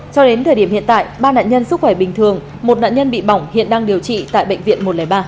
cho đến thời điểm hiện tại ba nạn nhân sức khỏe bình thường một nạn nhân bị bỏng hiện đang điều trị tại bệnh viện một trăm linh ba